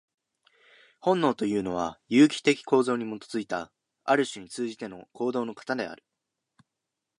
本能というのは、有機的構造に基いた、ある種に通じての行動の型である。